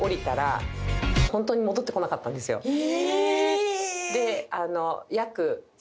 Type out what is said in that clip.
え！